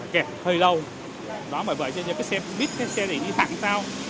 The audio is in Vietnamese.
kẹt hơi lâu đó mà vậy cho nên cái xe biết cái xe này đi thẳng sao